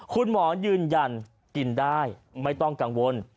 คุณหมอยืนยันกินได้ไม่ต้องกังวล